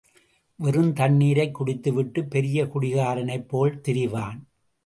வெறுந் தண்ணீரைக் குடித்து விட்டுப் பெரிய குடிகாரனைப் போல் திரிவான்.